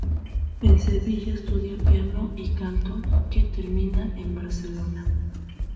En Sevilla estudia piano y canto, que termina en Barcelona.